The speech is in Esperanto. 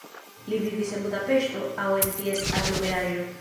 Li vivis en Budapeŝto aŭ en ties aglomeraĵo.